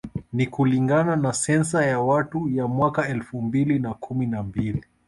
Ni kulingana na sensa ya watu ya mwaka elfu mbili na kumi na mbili